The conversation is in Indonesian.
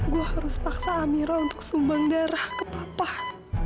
gue harus paksa amirah untuk sumbang darah ke pak prabu